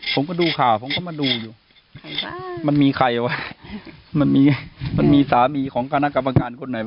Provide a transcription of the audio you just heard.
ผมก็ดูข่าวผมก็มาดูอยู่มันมีใครวะมันมีมันมีสามีของคณะกรรมการคนไหน